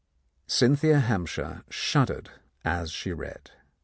Cynthia Hampshire shuddered as she read.